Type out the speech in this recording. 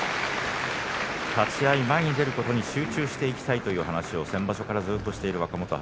立ち合い、前に出ていくことに集中していきたいという話を先場所からずっとしている若元